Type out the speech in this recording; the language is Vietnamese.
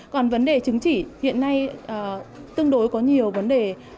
còn vấn đề chứng chỉ hiện nay tương đối có nhiều vấn đề